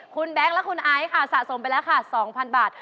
คุณแบงค์และคุณไอซ์ค่ะสะสมไปแล้วค่ะ๒๐๐บาท